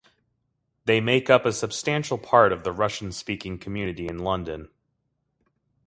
They make up a substantial part of the Russian-speaking community in London.